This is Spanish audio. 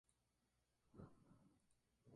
Predominan las hierbas bajas y matorrales.